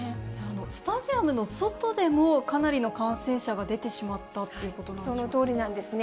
スタジアムの外でもかなりの感染者が出てしまったってことなんでしょうか。